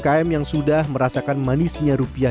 bersama saya kwan sarmin